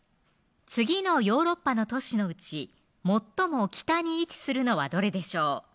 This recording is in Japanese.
次のヨーロッパの都市のうち最も北に位置するのはどれでしょう